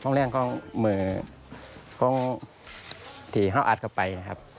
ความแรงของมือที่เข้าอัดไปครับ